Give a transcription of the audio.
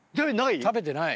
食べてない。